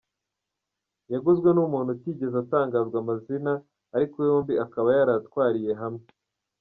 Yaguzwe n’umuntu utigeze atangazwa amazina, ariko yombi akaba yarayatwariye hamwe.